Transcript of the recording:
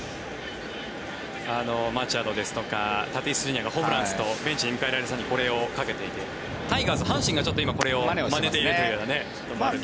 マチャドですとかタティスＪｒ．がホームランを打つとベンチで迎えられる人にこれをかけていてタイガース、阪神が今これをまねているというね。